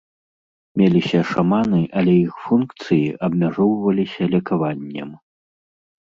Меліся шаманы, але іх функцыі абмяжоўваліся лекаваннем.